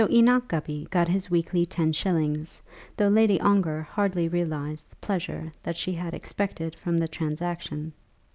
] But Enoch Gubby got his weekly ten shillings, though Lady Ongar hardly realized the pleasure that she had expected from the transaction.